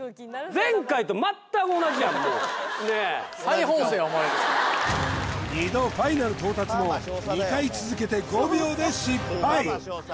前回と思われる２度ファイナル到達も２回続けて５秒で失敗